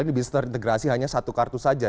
ini bisa terintegrasi hanya satu kartu saja